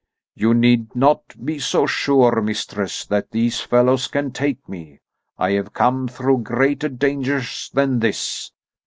"You need not be so sure, mistress, that these fellows can take me. I have come through greater dangers than this.